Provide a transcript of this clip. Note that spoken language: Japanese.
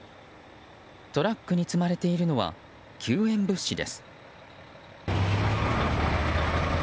トラックに積まれているのは救援物資です。